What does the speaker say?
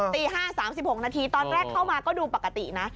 ตี๕๓๖นาทีตอนแรกเข้ามาก็ดูปกตินะ